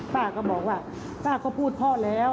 ป้าก็บอกว่าป้าก็พูดพ่อแล้ว